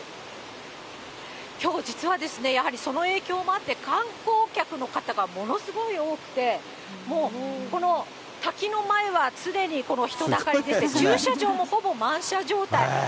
きょう、実はですね、やはりその影響もあって、観光客の方がものすごい多くて、もうこの滝の前は常に人だかりでして、駐車場もほぼ満車状態。